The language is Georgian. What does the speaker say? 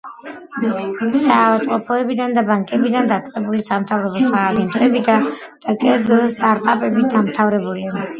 საავადმყოფოებიდან და ბანკებიდან დაწყებული, სამთავრობო სააგენტოებითა და კერძო სტარტაპებით დამთავრებული.